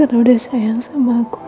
karena udah sayang sama aku